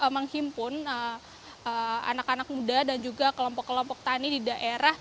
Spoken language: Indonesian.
menghimpun anak anak muda dan juga kelompok kelompok tani di daerah